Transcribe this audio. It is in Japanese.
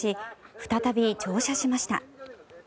再び乗車しました。